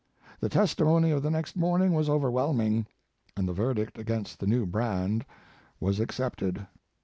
The testi mony of the next morning was over whelming, and the verdict against the new brand was accepted."